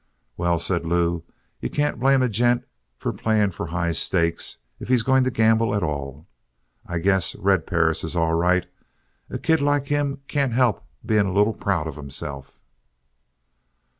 "Well," said Lew, "you can't blame a gent for playing for high stakes if he's going to gamble at all. I guess Red Perris is all right. A kid like him can't help being a little proud of himself."